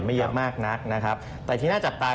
ไม่เยอะมากนักนะครับแต่ที่น่าจับตา